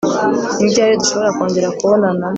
Ni ryari dushobora kongera kubonana